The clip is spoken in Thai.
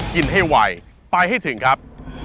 กินให้ไวไปให้ถึงครับ